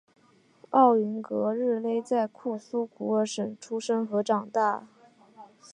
奥云格日勒在库苏古尔省出生和长大。